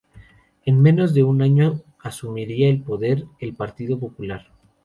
En menos de un año asumiría el poder el Partido Popular.